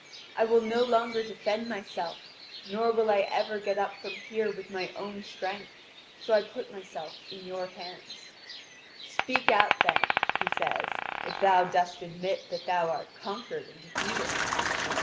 I will no longer defend myself, nor will I ever get up from here with my own strength; so I put myself in your hands." "Speak out then," he says, "if thou dost admit that thou art conquered and defeated."